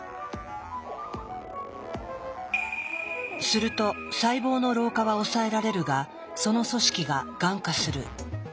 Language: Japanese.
すると細胞の老化は抑えられるがその組織ががん化する。